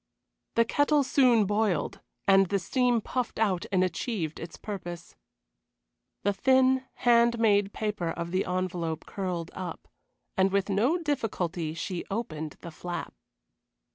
The kettle soon boiled, and the steam puffed out and achieved its purpose. The thin, hand made paper of the envelope curled up, and with no difficulty she opened the flap.